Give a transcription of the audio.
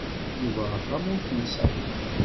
Yuba axxam ur t-yesɛi.